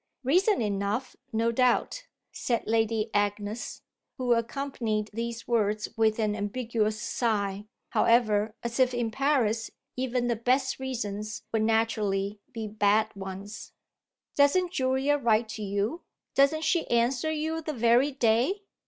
"Reasons enough, no doubt!" said Lady Agnes who accompanied these words with an ambiguous sigh, however, as if in Paris even the best reasons would naturally be bad ones. "Doesn't Julia write to you, doesn't she answer you the very day?"